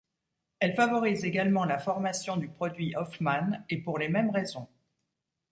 Elle favorise également la formation du produit Hofmann et pour les mêmes raisons.